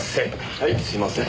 はいすみません。